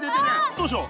どうしよう？